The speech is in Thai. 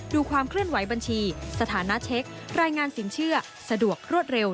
ดูความเคลื่อนไหวบัญชีสถานะเช็ครายงานสินเชื่อสะดวกรวดเร็ว